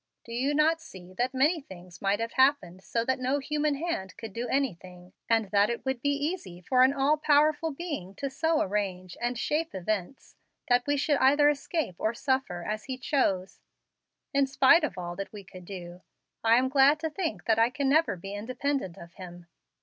Do you not see that many things might have happened so that no human hand could do anything, and that it would be easy for an all powerful Being to so arrange and shape events that we should either escape or suffer, as He chose, in spite of all that we could do. I am glad to think that I can never be independent of Him."